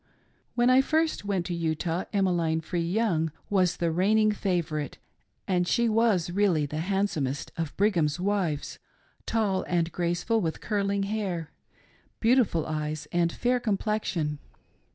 ] When first I went to Utah, Emmeline Free Young was the reigning favorite, and she was really the handsomest of Brigham's wives — tall and graceful, with curling hair, beautiful eyes, and fair complexion.